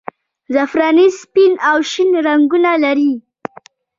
زعفراني سپین او شین رنګونه لري.